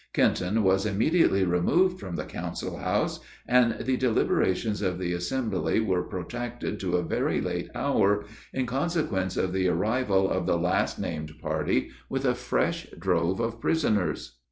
Kenton was immediately removed from the council house, and the deliberations of the assembly were protracted to a very late hour, in consequence of the arrival of the last named party with a fresh drove of prisoners.